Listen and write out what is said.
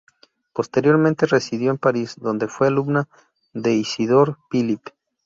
Posteriormente residió en París, donde fue alumna de Isidor Philipp.